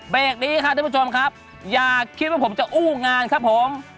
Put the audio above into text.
เบรกนี้ครับท่านผู้ชมครับอย่าคิดว่าผมจะอู้งานครับผม